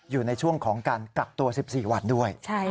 อยู่ในช่วงของการกักตัว๑๔วันด้วย